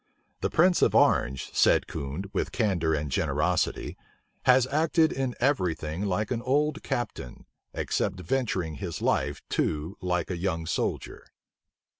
"The prince of Orange," said Condé, with candor and generosity, "has acted in every thing like an old captain, except venturing his life too like a young soldier."